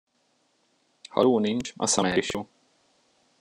Ha ló nincs, a szamár is jó.